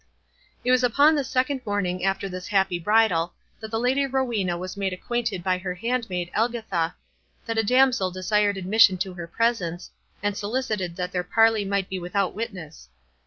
It was upon the second morning after this happy bridal, that the Lady Rowena was made acquainted by her handmaid Elgitha, that a damsel desired admission to her presence, and solicited that their parley might be without witness.